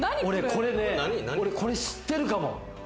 これ俺知ってるかも。